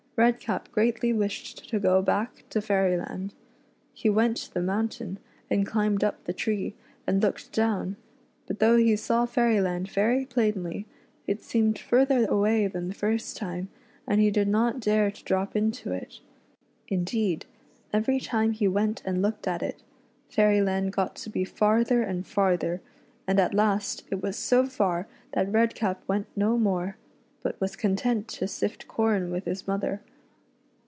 Redcap greatly wished to go back to Fairyland. He went to the mountain and climbed up the tree, and looked down, but though he saw Fairyland very plainly, it seemed further away than the first time, and he did not dare to drop into it Indeed, every time he went and looked at it, Fairyland got to be farther and farther, and at last it was so far that Redcap went no more, but was content to sift corn with his mother.